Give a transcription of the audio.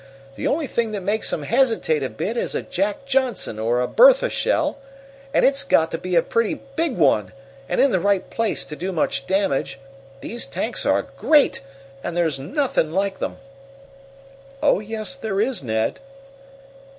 The only thing that makes 'em hesitate a bit is a Jack Johnson or a Bertha shell, and it's got to be a pretty big one, and in the right place, to do much damage. These tanks are great, and there's nothing like 'em." "Oh, yes there is, Ned!"